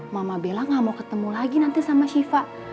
mama bella gak mau ketemu lagi nanti sama shifa